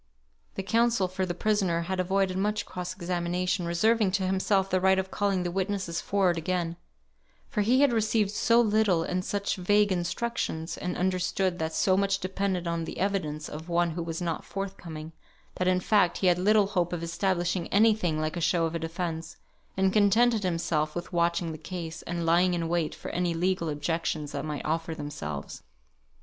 The counsel for the prisoner had avoided much cross examination, reserving to himself the right of calling the witnesses forward again; for he had received so little, and such vague instructions, and understood that so much depended on the evidence of one who was not forthcoming, that in fact he had little hope of establishing any thing like a show of a defence, and contented himself with watching the case, and lying in wait for any legal objections that might offer themselves.